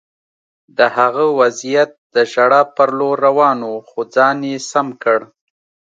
د هغه وضعیت د ژړا په لور روان و خو ځان یې سم کړ